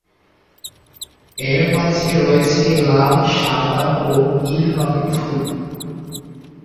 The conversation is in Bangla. এর মাঝে রয়েছে লাল, সাদা ও নীল রঙের ফুল।